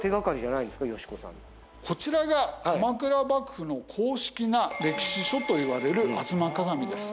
こちらが鎌倉幕府の公式な歴史書といわれる『吾妻鏡』です。